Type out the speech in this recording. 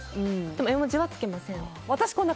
でも絵文字はつけません。